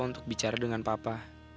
untuk bicara dengan papa